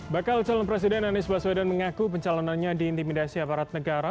bakal calon presiden anies baswedan mengaku pencalonannya diintimidasi aparat negara